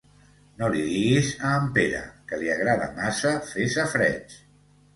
No li diguis a en Pere, que li agrada massa fer safareig.